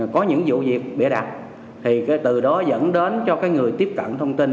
có những vụ việc bịa đặt thì từ đó dẫn đến cho người tiếp cận thông tin